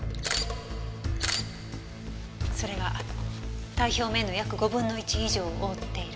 それが体表面の約５分の１以上を覆っている。